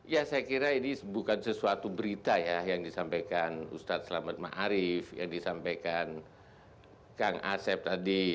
ya saya kira ini bukan sesuatu berita ya yang disampaikan ustadz selamat ⁇ maarif ⁇ yang disampaikan kang asep tadi